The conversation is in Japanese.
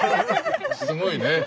すごいね。